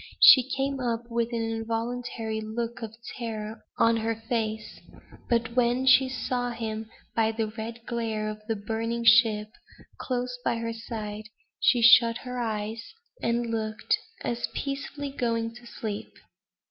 She came up with an involuntary look of terror on her face; but when she saw him by the red glare of the burning ship, close by her side, she shut her eyes, and looked as if peacefully going to sleep.